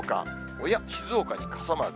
おや、静岡に傘マーク。